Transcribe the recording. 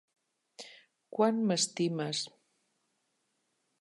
Quant m'estimes?